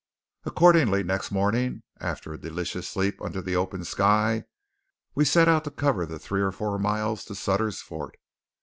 Accordingly next morning, after a delicious sleep under the open sky, we set out to cover the three or four miles to Sutter's Fort.